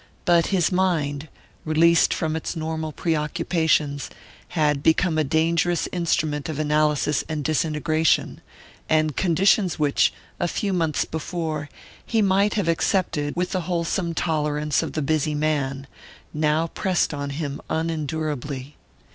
But his mind, released from its normal preoccupations, had become a dangerous instrument of analysis and disintegration, and conditions which, a few months before, he might have accepted with the wholesome tolerance of the busy man, now pressed on him unendurably.